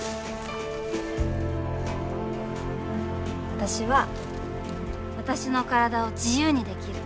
私は私の体を自由にできる。